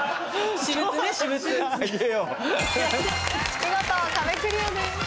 見事壁クリアです。